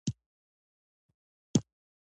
د دې خونې